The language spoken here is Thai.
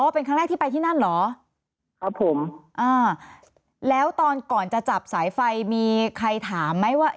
เป็นครั้งแรกที่ไปที่นั่นเหรอครับผมอ่าแล้วตอนก่อนจะจับสายไฟมีใครถามไหมว่า